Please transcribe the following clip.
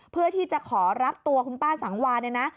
เพื่อที่จะขอรับตัวคุณป้าสังวานเนี่ยนะ